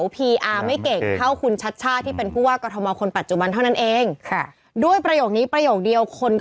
ผมชมรุ่มพี่ศูนย์ว่าเป็นคนเก่ง